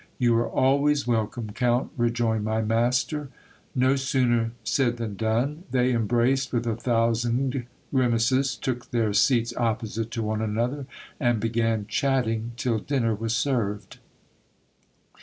You are always welcome, count, rejoined my master. No sooner said than done ! they embraced with a thousand grimaces, took then seats opposite to one another, and began chatting till dinner was served.